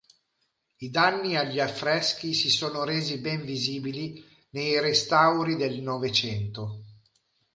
I danni agli affreschi si sono resi ben visibili nei restauri del Novecento.